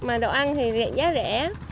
mà đồ ăn thì giá rẻ